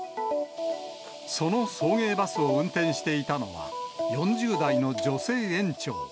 その送迎バスを運転していたのは、４０代の女性園長。